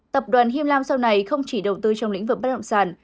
tập đoàn him lam sau này không chỉ đầu tư trong lĩnh vực bất động sản